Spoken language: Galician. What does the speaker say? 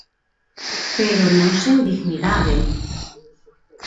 Pero non sen dignidade.